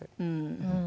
うん。